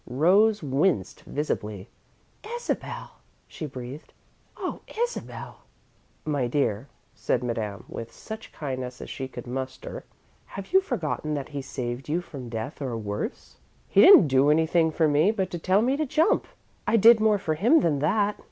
Rose winced visibly. "Isabel!" she breathed. "Oh, Isabel!" "My dear," said Madame, with such kindness as she could muster, "have you forgotten that he saved you from death, or worse?" "He didn't do anything for me but to tell me to jump. I did more for him than that.